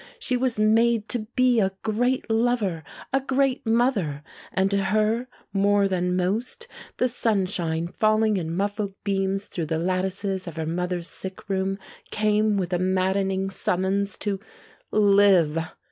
She was made to be a great lover, a great mother; and to her, more than most, the sunshine falling in muffled beams through the lattices of her mother's sick room came with a maddening summons to live.